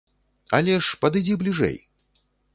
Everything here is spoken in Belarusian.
Але ж падыдзі бліжэй!